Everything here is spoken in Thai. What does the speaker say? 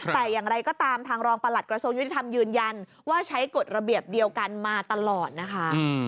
แต่อย่างไรก็ตามทางรองประหลัดกระทรวงยุติธรรมยืนยันว่าใช้กฎระเบียบเดียวกันมาตลอดนะคะ